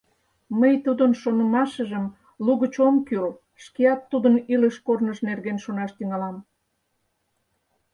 Мый тудын шонымашыжым лугыч ом кӱрл, шкеат тудын илыш корныж нерген шонаш тӱҥалам.